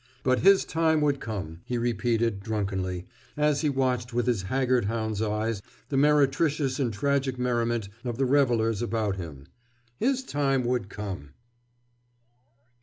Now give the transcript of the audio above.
But his time would come, he repeated drunkenly, as he watched with his haggard hound's eyes the meretricious and tragic merriment of the revelers about him—his time would come!